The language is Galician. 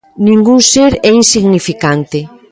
Ningún ser é insignificante.